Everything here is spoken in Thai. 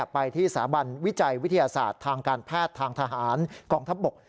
ไปที่สถาบันวิจัยวิทยาศาสตร์ทางการแพทย์ทางทหารกองทัพบก